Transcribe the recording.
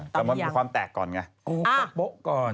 แต่มันมีความแตกก่อนไงโป๊ะก่อน